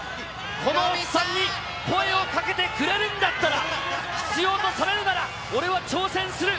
このおっさんに声をかけてくれるんだったら、必要とされるなら、俺は挑戦する。